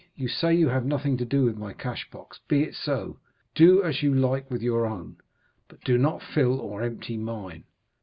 You say you have nothing to do with my cash box. Be it so. Do as you like with your own, but do not fill or empty mine.